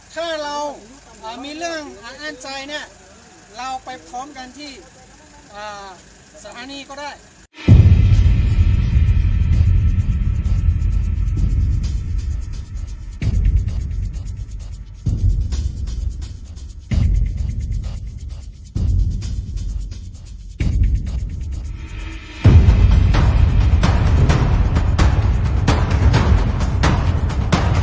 ถ้าเรามีเรื่องหางอ้านใจเนี่ยเราไปพร้อมกันที่สถานีก็ได้